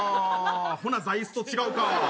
ほな、座いすと違うか。